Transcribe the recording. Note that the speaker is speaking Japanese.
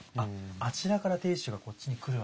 あちらから亭主がこっちに来るわけですね。